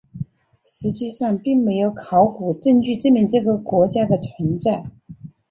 实际上并没有考古证据证明这个国家的存在。